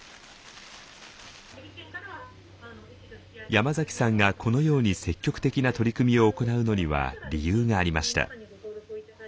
山崎さんがこのように積極的な取り組みを行うのには理由がありました。